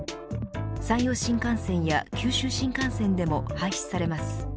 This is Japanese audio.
山陽新幹線や九州新幹線でも廃止されます。